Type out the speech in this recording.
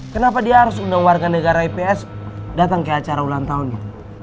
kenapa dia harus undang warga negara ips datang ke acara ulang tahunnya